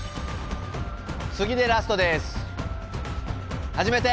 次でラストです始めて！